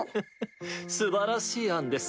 素晴らしい案です